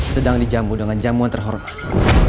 sedang dijamu dengan jamuan terhormat